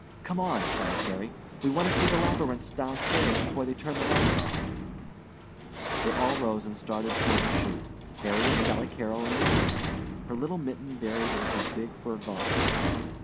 "Come on!" shouted Harry. "We want to see the labyrinths down stairs before they turn the lights off!" They all rose and started toward the chute Harry and Sally Carrol in the lead, her little mitten buried in his big fur gantlet.